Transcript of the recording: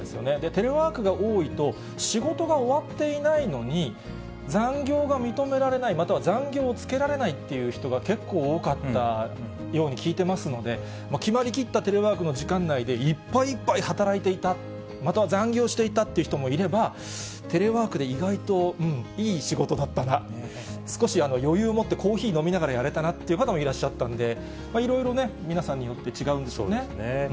テレワークが多いと、仕事が終わっていないのに、残業が認められない、または残業をつけられないっていう人が結構多かったように聞いてますので、決まりきったテレワークの時間内でいっぱいいっぱい働いていた、または残業していたって人もいれば、テレワークで意外といい仕事だったな、少し余裕持ってコーヒー飲みながらやれたなっていう方もいらっしゃったんで、いろいろね、そうですね。